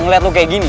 ngeliat lu kayak gini